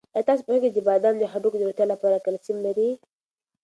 آیا تاسو پوهېږئ چې بادام د هډوکو د روغتیا لپاره کلسیم لري؟